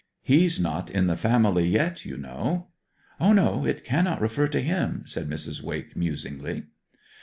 He's not in the family yet, you know.' 'O no, it cannot refer to him,' said Mrs. Wake musingly.